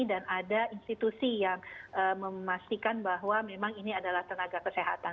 dan ada institusi yang memastikan bahwa memang ini adalah tenaga kesehatan